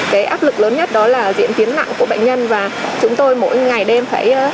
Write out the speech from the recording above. cái áp lực lớn nhất đó là diễn tiến nặng của bệnh nhân và chúng tôi mỗi ngày đêm phải